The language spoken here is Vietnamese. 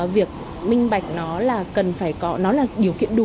việc minh bạch nó là điều kiện đủ